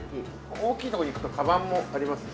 ◆大きいところに行くとかばんもありますし。